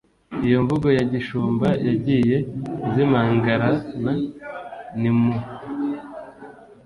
iyo mvugo ya gishumba yagiye izimangarana ; ni mu